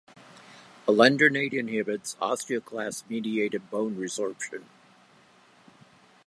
Alendronate inhibits osteoclast-mediated bone-resorption.